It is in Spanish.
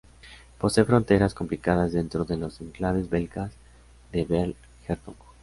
Posee fronteras complicadas, dentro de los enclaves belgas de Baarle-Hertog.